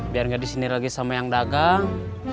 biar gak disini lagi sama yang dagang